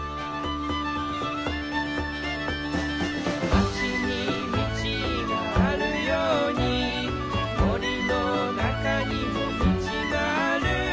「まちに道があるように」「森の中にも道がある」